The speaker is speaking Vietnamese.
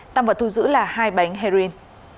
tăng vật thu giữ là hai bánh heroin